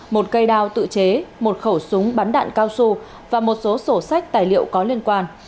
một cây đao tự chế một khẩu súng bắn đạn cao su và một số sổ sách tài liệu có liên quan